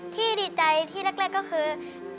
ที่ดีใจที่แรกก็คือ